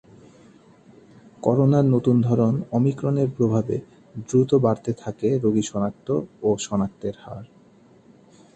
করোনার নতুন ধরন অমিক্রনের প্রভাবে দ্রুত বাড়তে থাকে রোগী শনাক্ত ও শনাক্তের হার।